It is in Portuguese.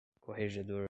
corregedor